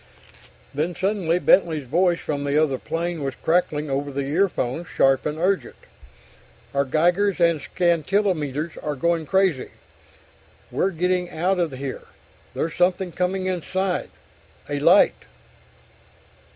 Then suddenly Bentley's voice from the other plane was crackling over the earphones, sharp and urgent: "Our Geigers and scintillometers are going crazy! We're getting out of here! There's something coming inside ... a light...."